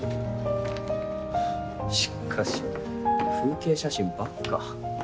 しかし風景写真ばっか。